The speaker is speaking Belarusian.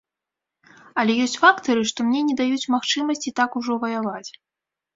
Але ёсць фактары, што мне не даюць магчымасці так ужо ваяваць.